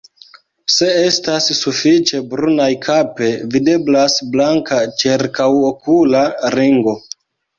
Se estas sufiĉe brunaj kape, videblas blanka ĉirkaŭokula ringo.